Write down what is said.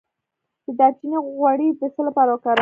د دارچینی غوړي د څه لپاره وکاروم؟